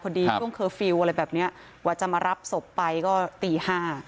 พอดีต้องเคอร์ฟิวอะไรแบบเนี้ยว่าจะมารับศพไปก็ตีห้า